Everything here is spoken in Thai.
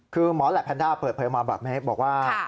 คือหมอแหลปแพนด้าเปิดเผยมาบอกว่า